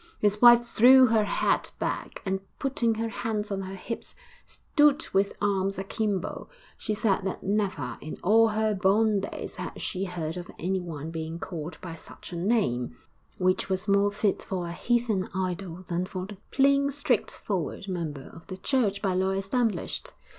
His wife threw her head back, and, putting her hands on her hips, stood with arms akimbo; she said that never in all her born days had she heard of anyone being called by such a name, which was more fit for a heathen idol than for a plain, straightforward member of the church by law established.